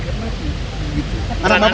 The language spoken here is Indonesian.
peran anak bapak di situ apa pak